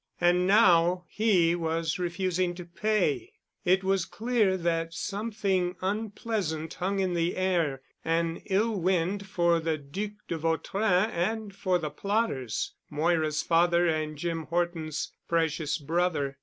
And now he was refusing to pay. It was clear that something unpleasant hung in the air, an ill wind for the Duc de Vautrin and for the plotters, Moira's father and Jim Horton's precious brother.